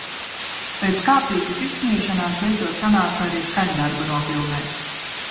Pēc kārtīgas izsmiešanās, beidzot sanāca arī skaņdarbu nofilmēt.